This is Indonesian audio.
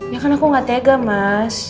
ya kan aku gak tega mas